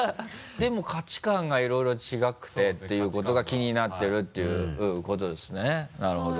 でも価値観がいろいろ違ってっていうことが気になってるっていうことですねなるほど。